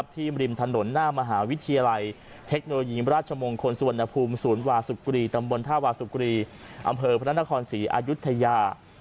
ริมถนนหน้ามหาวิทยาลัยเทคโนโลยีราชมงคลสุวรรณภูมิศูนย์วาสุกรีตำบลท่าวาสุกรีอำเภอพระนครศรีอายุทยา